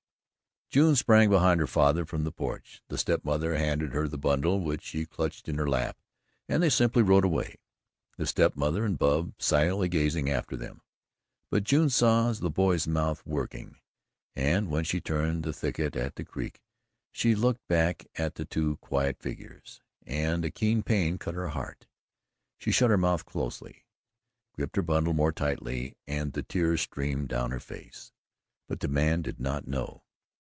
June sprang behind her father from the porch. The step mother handed her the bundle which she clutched in her lap, and they simply rode away, the step mother and Bub silently gazing after them. But June saw the boy's mouth working, and when she turned the thicket at the creek, she looked back at the two quiet figures, and a keen pain cut her heart. She shut her mouth closely, gripped her bundle more tightly and the tears streamed down her face, but the man did not know.